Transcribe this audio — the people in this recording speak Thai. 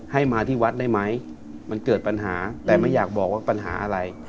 ให้มาที่วัดได้ไหมมันเกิดปัญหาแต่ไม่อยากบอกว่าปัญหาอะไร